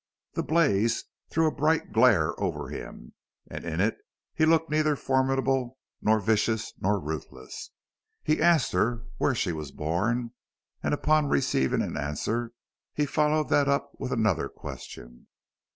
The blaze threw a bright glare over him, and in it he looked neither formidable nor vicious nor ruthless. He asked her where she was born, and upon receiving an answer he followed that up with another question.